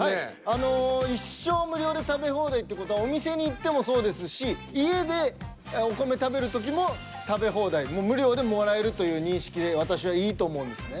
あの一生無料で食べ放題って事はお店に行ってもそうですし家でお米食べる時も食べ放題無料でもらえるという認識で私はいいと思うんですね。